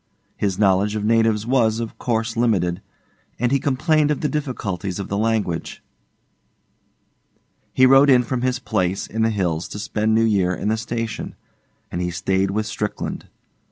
His knowledge of natives was, of course, limited, and he complained of the difficulties of the language. He rode in from his place in the hills to spend New Year in the station, and he stayed with Strickland.